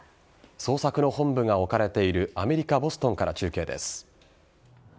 捜索の本部が置かれているアメリカ・ボストンから中継です。